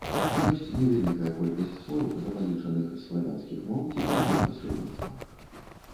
Ёсць невялікая колькасць слоў, запазычаных з славянскіх моў ці праз іх пасрэдніцтва.